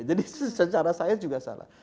jadi secara science juga salah